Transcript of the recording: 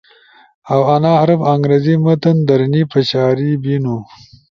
اؤ انا حرف انگریزی متن در نی پشاری بینو۔